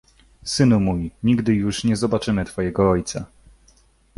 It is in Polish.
"Synu mój, nigdy już nie zobaczymy twojego ojca."